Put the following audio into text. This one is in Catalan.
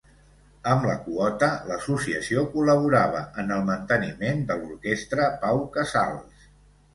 Amb la quota, l'Associació col·laborava en el manteniment de l'Orquestra Pau Casals.